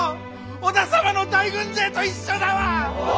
織田様の大軍勢と一緒だわ！